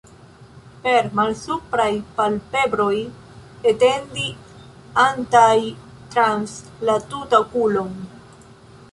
Per malsupraj palpebroj etendi¸antaj trans la tutan okulon.